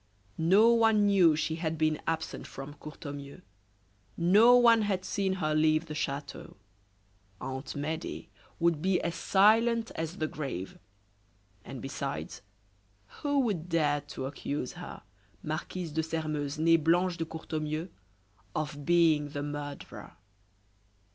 No one knew she had been absent from Courtornieu; no one had seen her leave the chateau; Aunt Medea would be as silent as the grave. And besides, who would dare to accuse her, Marquise de Sairmeuse nee Blanche de Courtornieu, of being the murderer?